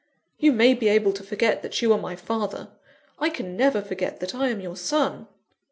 You may be able to forget that you are my father; I can never forget that I am your son."